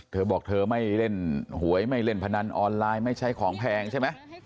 เธอบอกเธอไม่เล่นหวยไม่เล่นพนันออนไลน์ไม่ใช้ของแพงใช่ไหม